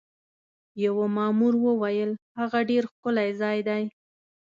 یوه مامور وویل: هغه ډېر ښکلی ځای دی.